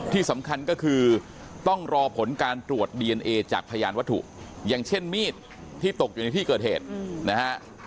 ที่สำคัญก็คือต้องรอผลการตรวจดีเอนเอจากพยานวัตถุอย่างเช่นมีดที่ตกอยู่ในที่เกิดเหตุนะฮะ